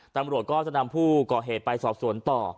ตำรวจก็จะนำผู้ก่อเหตุไปสอบสวนต่อ